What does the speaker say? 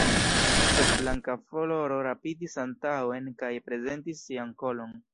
Sed Blankafloro rapidis antaŭen kaj prezentis sian kolon.